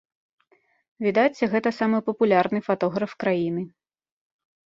Відаць, гэта самы папулярны фатограф краіны.